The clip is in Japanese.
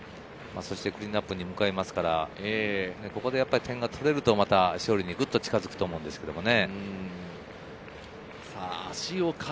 クリーンナップに向かいますから、ここで点が取れると、また勝利に近づくと思うんですけどね。